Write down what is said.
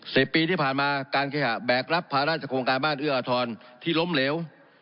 ปีที่ผ่านมาการเคหะแบกรับภาระจากโครงการบ้านเอื้ออทรที่ล้มเหลว